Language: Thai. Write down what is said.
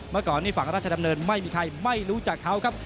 เมื่อก่อนนี้ฝั่งราชดำเนินไม่มีใครไม่รู้จักเขาครับ